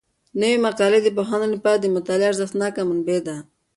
نوي مقالې د پوهانو لپاره د مطالعې ارزښتناکه منبع ده.